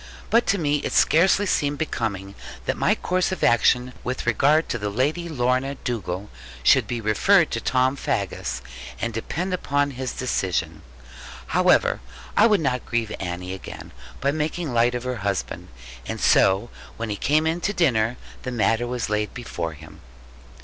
But to me it scarcely seemed becoming that my course of action with regard to the Lady Lorna Dugal should be referred to Tom Faggus, and depend upon his decision. However, I would not grieve Annie again by making light of her husband; and so when he came in to dinner, the matter was laid before him.